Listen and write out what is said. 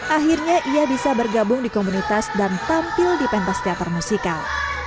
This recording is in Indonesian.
akhirnya ia bisa bergabung di komunitas dan tampil di pentas teater musikal